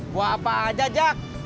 buah apa aja jack